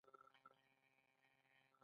او په خپل اقتصاد سره.